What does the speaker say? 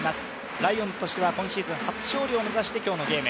ライオンズとしては今シーズン初勝利を目指して今日のゲーム。